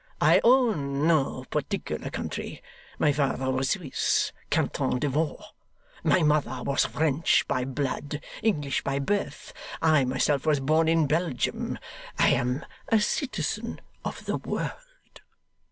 I own no particular country. My father was Swiss Canton de Vaud. My mother was French by blood, English by birth. I myself was born in Belgium. I am a citizen of the world.